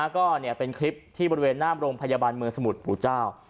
ก็เป็นคลิปที่บริเวณหน้าโรงพยาบาลเมืองสมุทรปู่เจ้า